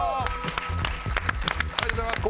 ありがとうございます！